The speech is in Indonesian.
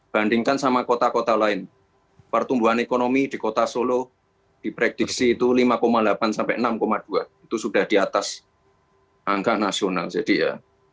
bandingkan sama kota kota lain pertumbuhan ekonomi di kota solo diprediksi itu lima delapan sampai enam dua itu sudah di atas angka nasional jadi ya